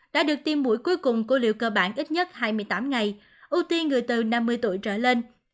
đã được tiêm mũi cuối cùng của liệu cơ bản ít nhất hai mươi tám ngày ưu tiên người từ năm mươi tuổi trở lên